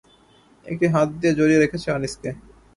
একটি হাত দিয়ে জড়িয়ে রেখেছে আনিসকে।